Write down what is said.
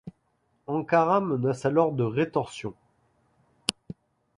Ankara menace alors de rétorsions.